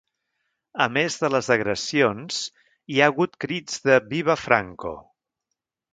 A més de les agressions, hi ha hagut crits de ‘viva Franco’.